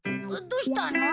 どうしたの？